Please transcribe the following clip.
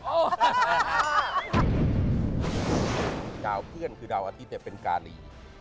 เจ้าเพื่อนคือเดาอาทิตย์แต่เป็นกาลี